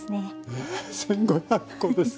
えっ⁉１，５００コですか。